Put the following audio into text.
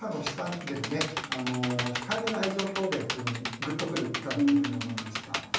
控えめな愛情表現というのにぐっと来る歌だというふうに思いました。